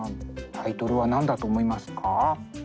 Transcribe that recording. タイトルは何だと思いますか？